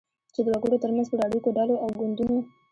چی د وګړو ترمنځ پر اړیکو، ډلو او ګوندونو